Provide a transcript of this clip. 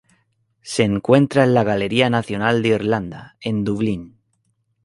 Se encuentra en la Galería Nacional de Irlanda, en Dublín.